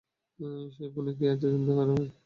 সেই ফোনে কি আছে জানতে হবে।